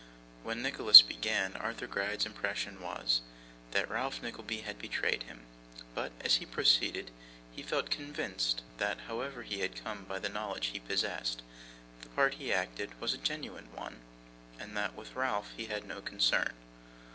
When Nicholas began, Arthur Gride's impression was, that Ralph Nickleby had betrayed him; but, as he proceeded, he felt convinced that however he had come by the knowledge he possessed, the part he acted was a genuine one, and that with Ralph he had no concern.